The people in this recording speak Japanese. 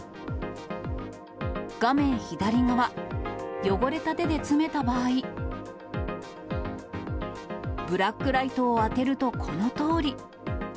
画面左側、汚れた手で詰めた場合、ブラックライトを当てるとこのとおり。